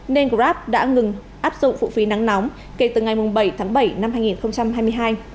nên grab đã ngừng áp dụng phụ phí nắng nóng kể từ ngày bảy tháng bảy năm hai nghìn hai mươi hai